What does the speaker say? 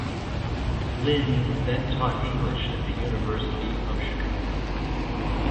Linn then taught English at the University of Chicago.